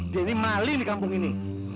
dia ini maling di kampung ini